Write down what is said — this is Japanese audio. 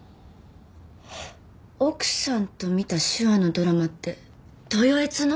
奥さんと見た手話のドラマってトヨエツの？